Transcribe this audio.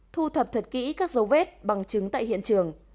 thu thập thật kỹ các dấu vết bằng chứng tại hiện trường